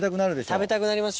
食べたくなります。